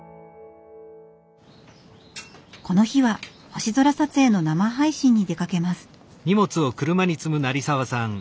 この日は星空撮影の生配信に出かけます。